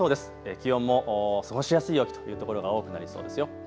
気温も過ごしやすい陽気というところが多くなりそうですよ。